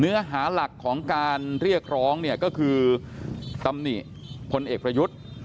เนื้อหาหลักของการเรียกร้องเนี่ยก็คือตำหนิพลเอกประยุทธ์